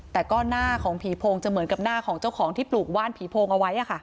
แต่ก็หน้าของผีโพงจะเหมือนกับหน้าของเจ้าของที่ปลูกว่านผีโพงเอาไว้